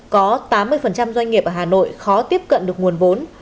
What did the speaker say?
có tám mươi doanh nghiệp ở hà nội khó tiếp cận được nguồn vốn